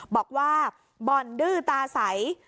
บอกว่าบ่อนดื้อตาใส